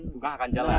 tungkah akan jalan